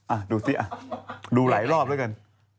อ่ะดูสิดูหลายรอบด้วยกัน